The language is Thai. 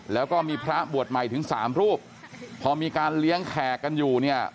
แล้วก็มีพระบวชใหม่ถึงสามรูปพอมีการเลี้ยงแขกกันอยู่เนี่ย